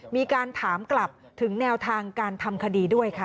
มีการถามกลับถึงแนวทางการทำคดีด้วยค่ะ